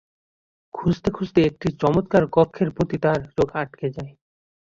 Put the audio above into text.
খুঁজতে খুঁজতে একটি চমৎকার কক্ষের প্রতি তার চোখ আটকে যায়।